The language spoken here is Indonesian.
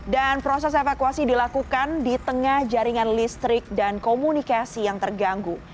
dan proses evakuasi dilakukan di tengah jaringan listrik dan komunikasi yang terganggu